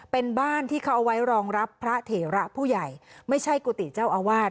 เป็นบ้านที่เขาเอาไว้รองรับพระเถระผู้ใหญ่ไม่ใช่กุฏิเจ้าอาวาส